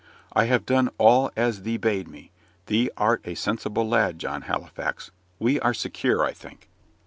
"I have done all as thee bade me thee art a sensible lad, John Halifax. We are secure, I think."